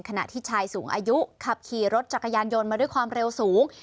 ขณะที่ชายสูงอายุขับขี่รถจักรยานยนต์มาด้วยความเร็วสูง